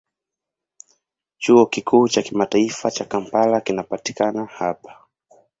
Chuo Kikuu cha Kimataifa cha Kampala kinapatikana hapa.